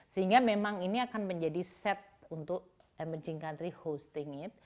sehingga memang ini akan menjadi set untuk negara berkembang mengikuti ini